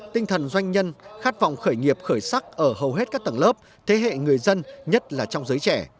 tinh thần doanh nhân khát vọng khởi nghiệp khởi sắc ở hầu hết các tầng lớp thế hệ người dân nhất là trong giới trẻ